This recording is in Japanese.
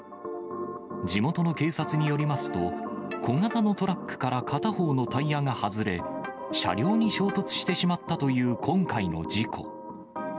地元の警察によりますと、小型のトラックから片方のタイヤが外れ、車両に衝突してしまったという今回の事故。